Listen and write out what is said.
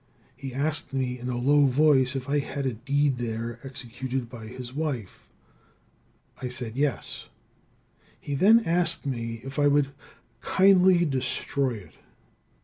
He asked me in a low voice if I had a deed there, executed by his wife. I said yes. He then asked me if I would kindly destroy it.